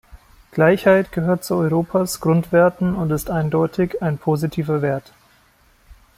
Gleichheit gehört zu Europas Grundwerten und ist eindeutig ein positiver Wert.